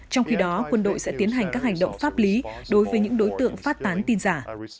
trong khi đó quân đội sẽ tiến hành các hành động pháp lý đối với những đối tượng phát tán tin giả